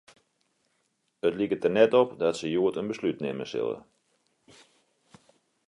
It liket der net op dat se hjoed in beslút nimme sille.